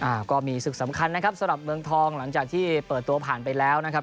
อ่าก็มีศึกสำคัญนะครับสำหรับเมืองทองหลังจากที่เปิดตัวผ่านไปแล้วนะครับ